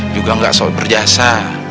juga gak soal berjasa